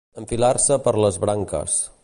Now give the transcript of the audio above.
Enfilar-se per les branques.